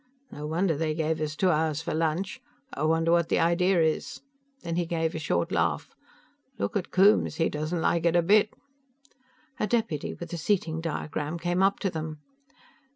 "No wonder they gave us two hours for lunch. I wonder what the idea is." Then he gave a short laugh. "Look at Coombes; he doesn't like it a bit." A deputy with a seating diagram came up to them.